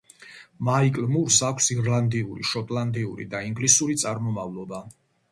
მაიკლ მურს აქვს ირლანდიური, შოტლანდიური და ინგლისური წარმომავლობა.